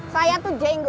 saya tuh jenggo